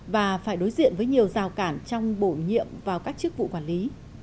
và phải đối diện với nhiều rào cản trong bổ nhiệm vào các chức vụ quản lý